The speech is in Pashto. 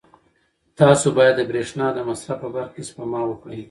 تاسو باید د برېښنا د مصرف په برخه کې سپما وکړئ.